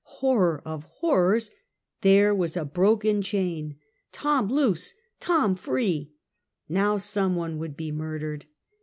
Horror of horrors, there was a broken chain! Tom loose! Tom free! ISTow some one would be murdered.